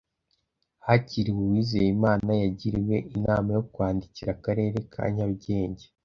hakiriwe uwizeyimana yagiriwe inama yo kwandikira akarere ka nyarugenge